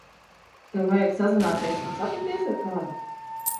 Tev vajag sazināties un satikties ar kādu?